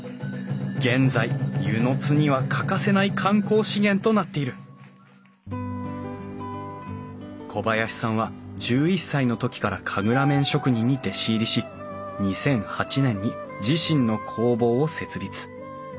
現在温泉津には欠かせない観光資源となっている小林さんは１１歳の時から神楽面職人に弟子入りし２００８年に自身の工房を設立。